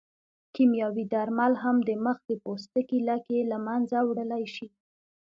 کیمیاوي درمل هم د مخ د پوستکي لکې له منځه وړلی شي.